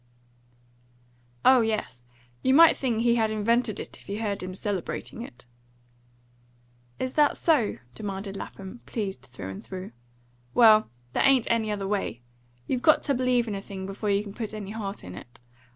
"Oh yes. You might think he had invented it, if you heard him celebrating it." "Is that so?" demanded Lapham, pleased through and through. "Well, there ain't any other way. You've got to believe in a thing before you can put any heart in it.